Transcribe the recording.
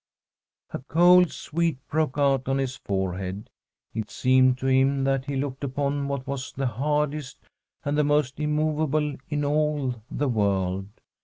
A cold sweat broke out on his forehead; it seemed to him that he looked upon what was the hardest and the most immovable in all the world.